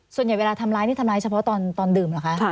ส่วนใหญ่เวลาทำร้ายนี่ทำร้ายเฉพาะตอนดื่มเหรอคะ